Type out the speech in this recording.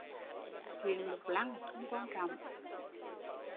Chuyện lục lăng, không quan trọng